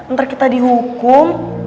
ntar kita dihukum